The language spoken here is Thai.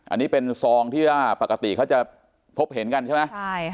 อันนี้เป็นซองที่ว่าปกติเขาจะพบเห็นกันใช่ไหม